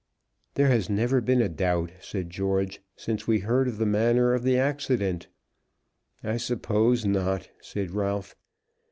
"There has never been a doubt," said George, "since we heard of the manner of the accident." "I suppose not," said Ralph.